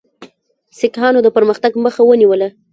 سیکهانو د پرمختګ مخه ونیوله.